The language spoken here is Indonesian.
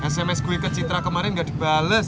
sms gue ke citra kemarin gak dibales